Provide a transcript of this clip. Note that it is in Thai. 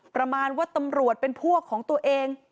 ประมาณว่าตำรวจเป็นพวกของตัวเอง